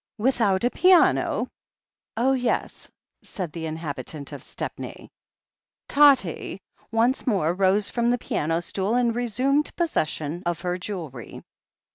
"Without a piano?" "Oh, yes," said the inhabitant of Stepney. "Tottie" once more rose from the piano stool, and resumed possession of her jewellery.